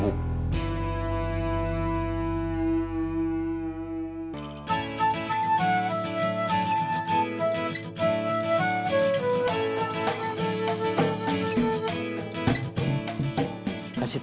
melepaskan pangkatnya ke atas sakit